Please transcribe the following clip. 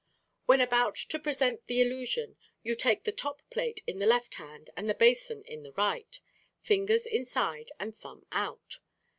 When about to present the illusion, you take the top plate in the left hand and the basin in the right, fingers inside and thumb out.